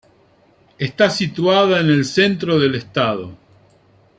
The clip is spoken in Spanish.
Está situada en el centro del estado.